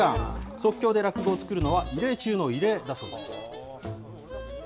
即興で落語をつくるのは、異例中の異例だそうです。